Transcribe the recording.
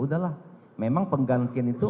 saya akan mencoba untuk mencoba